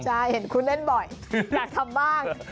ใช่เห็นคุณเล่นบ่อยอยากทำบ้าง